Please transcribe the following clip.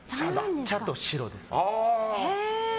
茶と白です。